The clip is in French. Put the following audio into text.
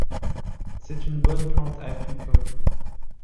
C'est une bonne plante apicole.